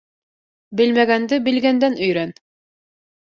Белмәгәнде белгәндән өйрән.